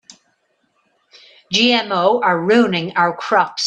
GMO are ruining our crops.